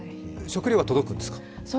食料は届くんですか？